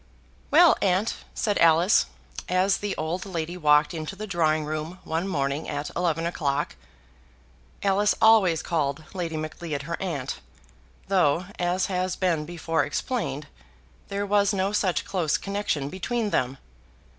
"Well, aunt," said Alice, as the old lady walked into the drawing room one morning at eleven o'clock. Alice always called Lady Macleod her aunt, though, as has been before explained, there was no such close connexion between them.